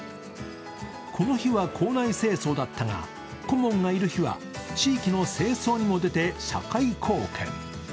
この日は校内清掃だったが顧問がいる日は地域の清掃にも出て、社会貢献。